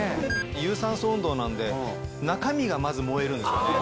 有酸素運動なんで中身がまず燃えるんですよね。